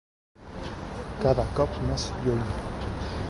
Cada cop més lluny.